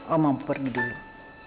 oma mampu pergi dulu